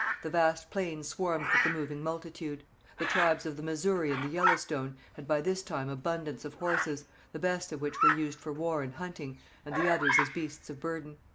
The vast plain swarmed with the moving multitude. The tribes of the Missouri and the Yellowstone had by this time abundance of horses, the best of which were used for war and hunting, and the others as beasts of burden.